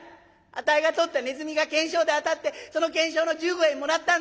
あたいが捕ったネズミが懸賞で当たってその懸賞の１５円もらったんだ。